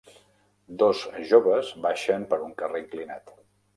Dos joves baixen per un carrer inclinat.